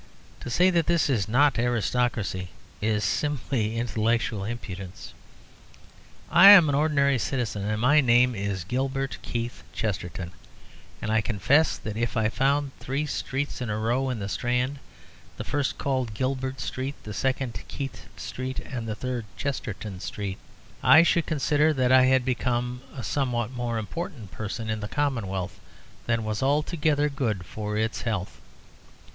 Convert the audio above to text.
To say that this is not aristocracy is simply intellectual impudence. I am an ordinary citizen, and my name is Gilbert Keith Chesterton; and I confess that if I found three streets in a row in the Strand, the first called Gilbert Street, the second Keith Street, and the third Chesterton Street, I should consider that I had become a somewhat more important person in the commonwealth than was altogether good for its health.